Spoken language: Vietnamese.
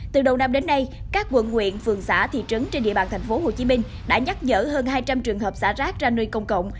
từ đầu năm đến nay các quận nguyện phường xã thị trấn trên địa bàn tp hcm đã nhắc nhở hơn hai trăm linh trường hợp xả rác ra nơi công cộng